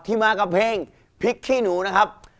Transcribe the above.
ที่มากับเพลงพลิกที่หนูนะครับ